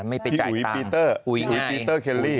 ไม่ไปจ่ายตังค์คุยง่ายพี่อุ๋ยพีเตอร์เคลลี่